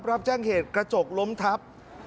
รับแจ้งเหตุกระจกล้มทับ